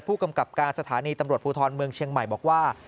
ผู้กำกับการสถานีตำรวจภูทรเมืองเชียงใหม่บอกว่า